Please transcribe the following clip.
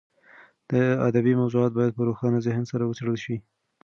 ادبي موضوعات باید په روښانه ذهن سره وڅېړل شي.